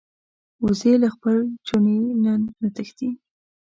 وزې له خپل چوڼي نه نه تښتي